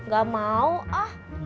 gak mau ah